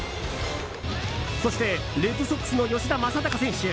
そしてレッドソックスの吉田正尚選手。